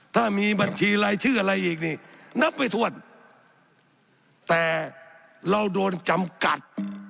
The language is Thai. ถ้ามีบัญชีรายชื่ออะไรอีกนี่นับไม่ถ้วนแต่เราโดนจำกัด